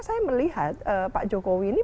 saya melihat pak jokowi ini